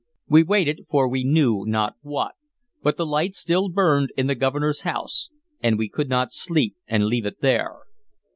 We waited for we knew not what, but the light still burned in the Governor's house, and we could not sleep and leave it there.